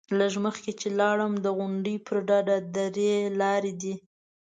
لږ مخکې چې لاړم، د غونډۍ پر ډډه درې لارې دي.